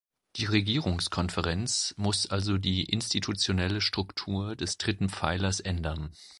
Die Regierungskonferenz muss also die institutionelle Struktur des dritten Pfeilers ändern.